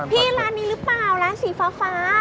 ร้านนี้หรือเปล่าร้านสีฟ้า